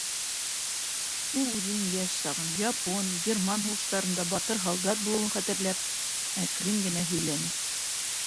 Ул үҙенең йәш сағын, япон, герман һуғыштарында батыр һалдат булыуын хәтерләп, әкрен генә һөйләне.